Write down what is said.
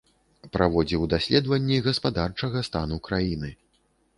Праводзіў даследаванні гаспадарчага стану краіны.